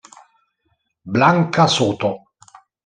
Blanca Soto